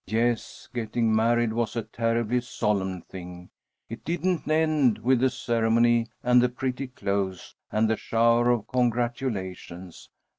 Yes, getting married was a terribly solemn thing. It didn't end with the ceremony and the pretty clothes and the shower of congratulations.